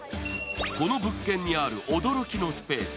この物件にある驚きのスペース